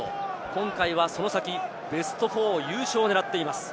今大会はその先、ベスト４、優勝を狙っています。